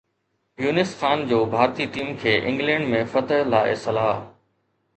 يونس خان جو ڀارتي ٽيم کي انگلينڊ ۾ فتح لاءِ صلاح